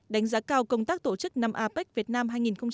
đánh giá cao công tác tổ chức năm apec việt nam hai nghìn một mươi bảy